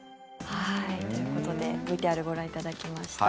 ということでＶＴＲをご覧いただきました。